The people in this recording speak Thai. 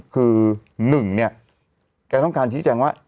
คือ๑เนี่ยแกต้องการชี้แจงว่า